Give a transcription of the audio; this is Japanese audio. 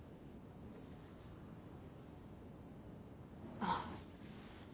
あっ。